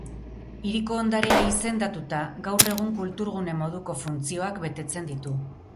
Hiriko ondarea izendatuta, gaur egun kulturgune moduko funtzioak betetzen ditu.